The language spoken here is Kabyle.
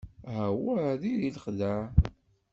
Awah, diri lexdeɛ.